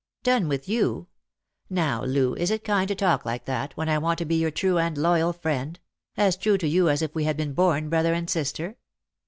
" Done with you ! Now, Loo, is it kind to talk like that, when I want to be your true and loyal friend— as true to you as if we had been born brother and sister